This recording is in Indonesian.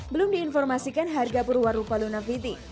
belum diinformasikan harga perwarupa lunafiti